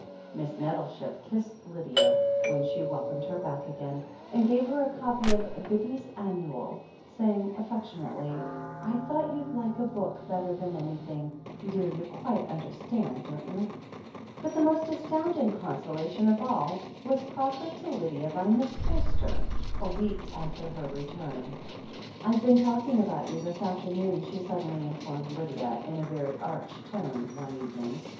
Miss Nettleship kissed Lydia when she welcomed her back again, and gave her a copy of Bibby's Annual, saying affectionately: "I thought you'd like a book better than anything, dear — ^you quite understand, don't you ?" But the most astotmding consolation of all was prof fered to Lydia by Miss Forster, a week after her return. "Fve been talking about you this afternoon," she suddenly informed Lydia in a very arch tone one evening.